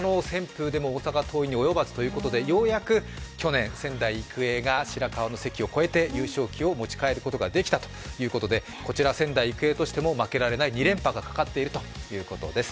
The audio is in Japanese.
ようやく去年、仙台育英が白河の関を越えて優勝旗を持ち帰ることができたということでこちら仙台育英としても負けられない２連覇がかかっているということです。